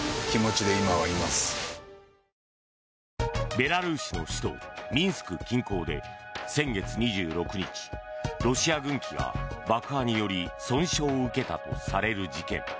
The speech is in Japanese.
ベラルーシの首都ミンスク近郊で先月２６日ロシア軍機が爆破により損傷を受けたとされる事件。